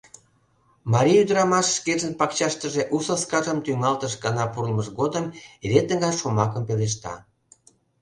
Марий ӱдырамаш шкенжын пакчаштыже у саскажым тӱҥалтыш гана пурлмыж годым эре тыгай шомакым пелешта.